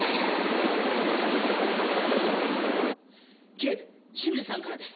警部清水さんからです。